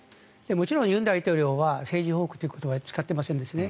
もちろん尹大統領は政治報復という言葉は使っていませんですね。